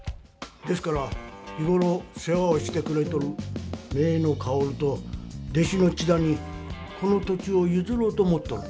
ですから日ごろ世話をしてくれとる姪の薫と弟子の千田にこの土地をゆずろうと思っとるんです。